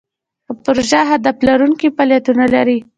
پروژه هدف لرونکي فعالیتونه لري.